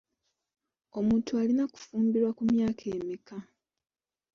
Omuntu alina kufumbirwa ku myaka emeka?